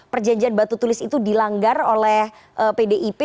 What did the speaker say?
perjanjian batu tulis itu dilanggar oleh pdip